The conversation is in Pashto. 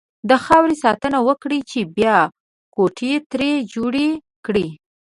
د خاورې ساتنه وکړئ! چې بيا کوټې ترې جوړې کړئ.